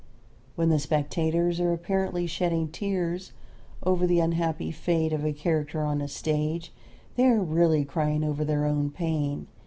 When the spectators are apparently shedding tears over the unhappy fate of a character on the stage they are really crying over their own pain.